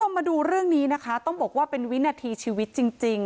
มาดูเรื่องนี้นะคะต้องบอกว่าเป็นวินาทีชีวิตจริง